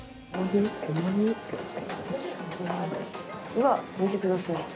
うわっ見てください。